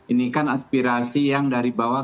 ini kan aspirasi yang dari bawah